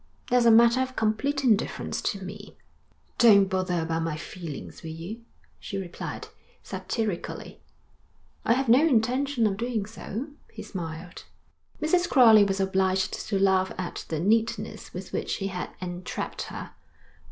'That's a matter of complete indifference to me.' 'Don't bother about my feelings, will you?' she replied, satirically. 'I have no intention of doing so,' he smiled. Mrs. Crowley was obliged to laugh at the neatness with which he had entrapped her.